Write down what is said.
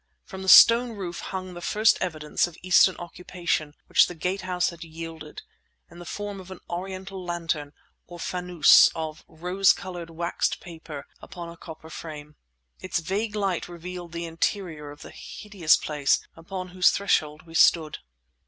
From the stone roof hung the first evidence of Eastern occupation which the Gate House had yielded; in the form of an Oriental lantern, or fanoos, of rose coloured waxed paper upon a copper frame. Its vague light revealed the interior of the hideous place upon whose threshold we stood.